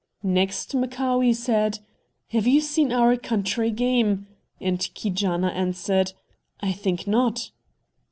Next Mchaawee said, "Have you seen our country game?" And Keejaanaa answered, "I think not."